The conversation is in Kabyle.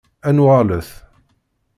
Ad nuɣalet!